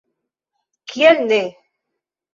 Kiel ne?